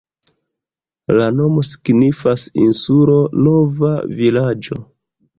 La nomo signifas insulo-nova-vilaĝo.